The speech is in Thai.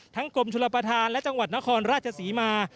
กรมชลประธานและจังหวัดนครราชศรีมา